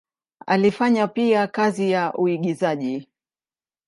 Alifanya pia kazi ya uigizaji.